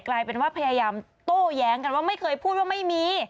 กลายเป็นว่าพยายามโต้แย้งกันว่าไม่เคยพูดว่าไม่มี